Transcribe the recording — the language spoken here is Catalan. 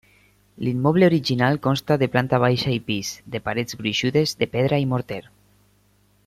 L'immoble original consta de planta baixa i pis, de parets gruixudes de pedra i morter.